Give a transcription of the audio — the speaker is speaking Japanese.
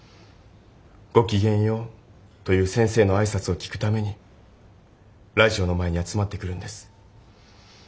「ごきげんよう」という先生の挨拶を聞くためにラジオの前に集まってくるんです。